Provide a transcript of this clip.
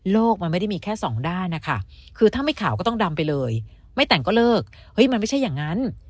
มันไม่ได้มีแค่สองด้านนะคะคือถ้าไม่ขาวก็ต้องดำไปเลยไม่แต่งก็เลิกเฮ้ยมันไม่ใช่อย่างนั้น